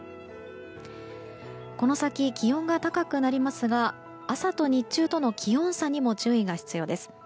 この先、気温が高くなりますが朝と日中の気温差にも注意が必要です。